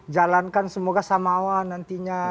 jalankan semoga samawa nantinya